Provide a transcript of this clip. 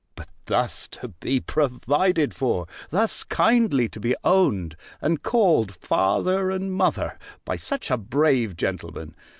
But thus to be provided for! thus kindly to be owned, and called Father and Mother by such a brave gentleman!